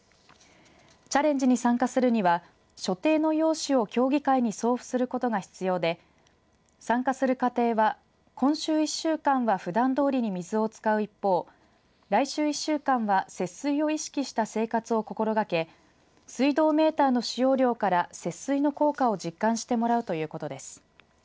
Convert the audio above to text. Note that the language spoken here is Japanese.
チャレンジに参加するには所定の用紙を協議会に送付することが必要で参加する家庭は今週１週間はふだんどおりに水を使う一方、来週１週間は節水を意識した生活を心がけ水道メーターの使用量から節水の効果を実感してもらうということです。